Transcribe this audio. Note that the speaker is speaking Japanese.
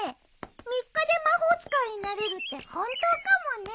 ３日で魔法使いになれるって本当かもね。